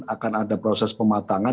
akan ada proses pematangan